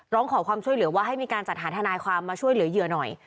ร้องขอความช่วยเหลือว่าให้มีการจัดหาทนายความมาช่วยเหลือเหยื่อหน่อย